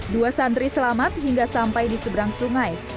dua santri selamat hingga sampai di seberang sungai